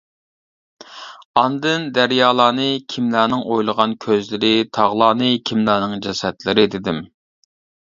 ئاندىن دەريالارنى كىملەرنىڭ ئويۇلغان كۆزلىرى، تاغلارنى كىملەرنىڭ جەسەتلىرى دېدىم.